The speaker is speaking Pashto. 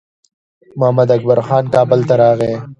محمداکبر خان کابل ته راغی.